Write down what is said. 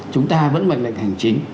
chúng ta vẫn mệnh lệnh hành chính